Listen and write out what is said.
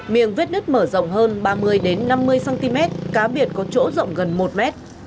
miềng vết nứt mở rộng hơn ba mươi năm mươi cm cá biệt có chỗ rộng gần một mét